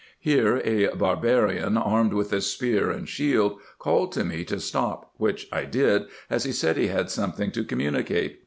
Here a barbarian, armed with a spear and shield, called to me to stop, which I did, as he said he had something to communicate.